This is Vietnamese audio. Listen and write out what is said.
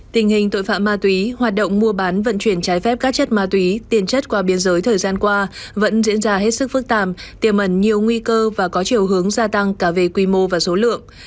tình hình tội phạm ma túy hoạt động mua bán vận chuyển trái phép các chất ma túy tiền chất qua biên giới thời gian qua vẫn diễn ra hết sức phức tạp tiềm ẩn nhiều nguy cơ và có chiều hướng gia tăng cả về quy mô và số lượng